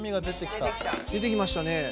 出てきましたね。